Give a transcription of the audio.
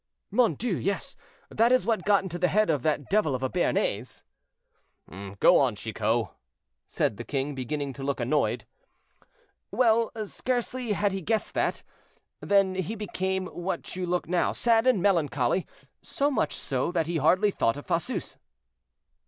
"Mon Dieu, yes; that is what got into the head of that devil of a Béarnais." "Go on, Chicot," said the king, beginning to look annoyed. "Well! scarcely had he guessed that, than he became what you look now, sad and melancholy; so much so, that he hardly thought of Fosseuse."